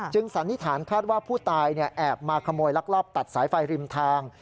สันนิษฐานคาดว่าผู้ตายแอบมาขโมยลักลอบตัดสายไฟริมทาง